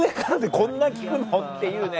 こんな効くの？っていうね。